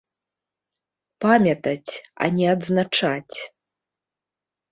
Памятаць, а не адзначаць.